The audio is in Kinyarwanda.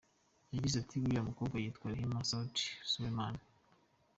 Yagize ati “Uriya mukobwa yitwa Rehema Sudi Suleiman.